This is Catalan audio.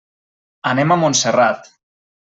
Anem a Montserrat.